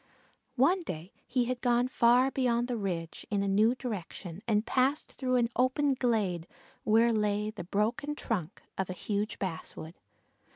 One day he had gone far beyond the ridge in a new direction and passed through an open glade where lay the broken trunk of a huge basswood.